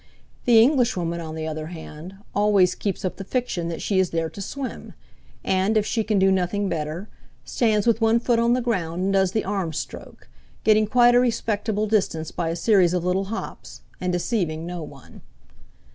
the Englishwoman, on the other hand, always keeps up the fiction that she is there to swim, and, if she can do nothing better, stands with one foot on the ground and does the arm stroke, getting quite a respectable distance by a series of little hops and deceiving no one.